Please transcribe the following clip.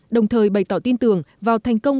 đồng thời bày tỏ tin tưởng vào thành công